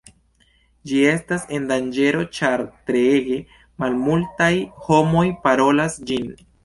Ĝi estas en danĝero ĉar treege malmultaj homoj parolas ĝin.